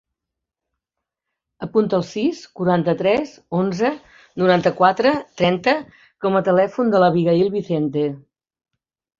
Apunta el sis, quaranta-tres, onze, noranta-quatre, trenta com a telèfon de l'Abigaïl Vicente.